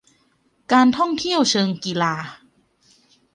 การท่องเที่ยวเชิงกีฬา